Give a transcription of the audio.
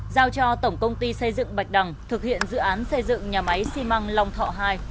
giao cho tổng công ty xây dựng bạch đằng thực hiện dự án xây dựng nhà máy xi măng long thọ hai